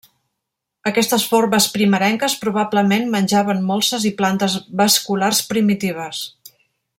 Aquestes formes primerenques probablement menjaven molses i plantes vasculars primitives.